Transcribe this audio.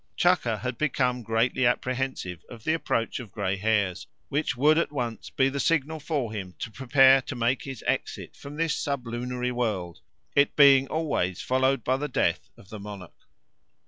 Chaka had become greatly apprehensive of the approach of grey hairs; which would at once be the signal for him to prepare to make his exit from this sublunary world, it being always followed by the death of the monarch."